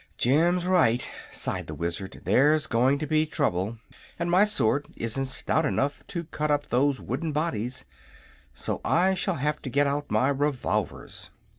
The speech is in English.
"Jim's right," sighed the Wizard. "There's going to be trouble, and my sword isn't stout enough to cut up those wooden bodies so I shall have to get out my revolvers."